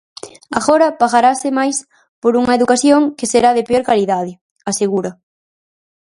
"Agora pagarase máis por unha educación que será de peor calidade", asegura.